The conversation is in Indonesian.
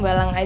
gak usah gey